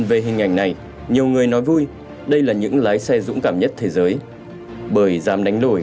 về hình ảnh này nhiều người nói vui đây là những lái xe dũng cảm nhất thế giới bởi dám đánh đổi